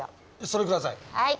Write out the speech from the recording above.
それください